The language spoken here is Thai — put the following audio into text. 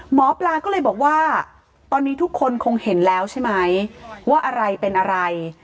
หมอปลาก็เลยบอกว่าตอนนี้ทุกคนคงเห็นแล้วใช่ไหมว่าอะไรเป็นอะไร